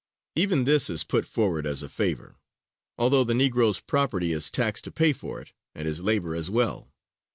Even this is put forward as a favor, although the Negro's property is taxed to pay for it, and his labor as well.